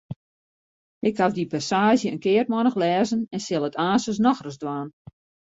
Ik haw dy passaazje in kearmannich lêzen en sil it aanstens noch ris dwaan.